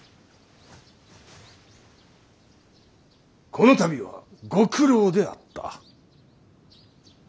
このたびはご苦労であった。